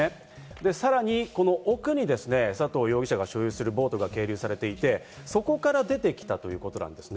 さらに、この奥に佐藤容疑者が所有するボートが係留されていて、そこから出てきたということなんですね。